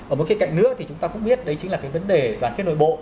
ở một cái cạnh nữa thì chúng ta cũng biết đấy chính là cái vấn đề đoàn kết nội bộ